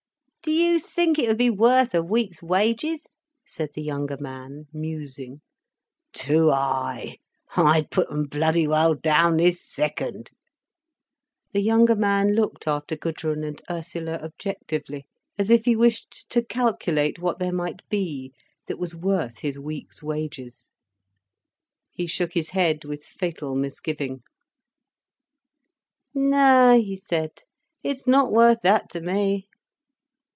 "Do you think it would be worth a week's wages?" said the younger man, musing. "Do I? I'd put 'em bloody well down this second—" The younger man looked after Gudrun and Ursula objectively, as if he wished to calculate what there might be, that was worth his week's wages. He shook his head with fatal misgiving. "No," he said. "It's not worth that to me."